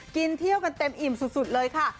กินเที่ยวกันเต็มอิ่มสุดเลยค่ะ